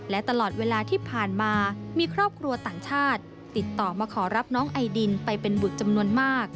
และตลอดเวลาที่ผ่านมามีครอบครัวต่างชาติติดต่อมาขอรับน้องไอดินไปเป็นบุตรจำนวนมาก